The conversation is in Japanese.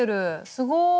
すごい！